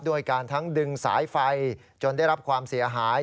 ด้วยการทั้งดึงสายไฟจนได้รับความเสียหาย